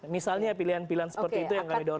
misalnya pilihan pilihan seperti itu yang kami dorong